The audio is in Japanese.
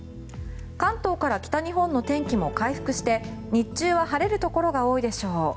関東から北日本の天気も回復して日中は晴れるところが多いでしょう。